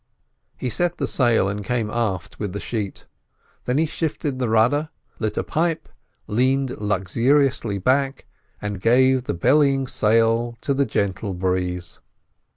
He set the sail and came aft with the sheet. Then he shifted the rudder, lit a pipe, leaned luxuriously back and gave the bellying sail to the gentle breeze.